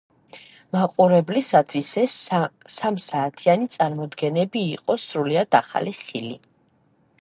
მაყურებლისათვის ეს სამსაათიანი წარმოდგენები იყო სრულიად ახალი ხილი.